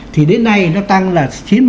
thì đến nay nó tăng là chín mươi một bốn